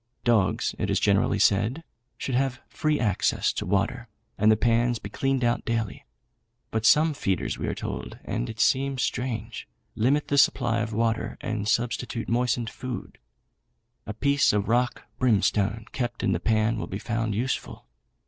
Dogs, it is generally said, should have free access to fresh water, and the pans be cleaned out daily; but some feeders, we are told, and it seems strange, limit the supply of water, and substitute moistened food. A piece of rock brimstone kept in the pan will be found useful.